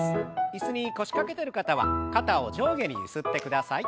椅子に腰掛けてる方は肩を上下にゆすってください。